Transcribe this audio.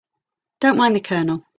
Don't mind the Colonel.